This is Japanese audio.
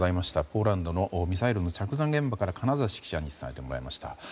ポーランドのミサイルの着弾現場から金指記者に伝えてもらいました。